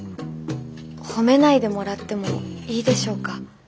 褒めないでもらってもいいでしょうか。